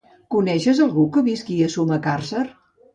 Coneixes algú que visqui a Sumacàrcer?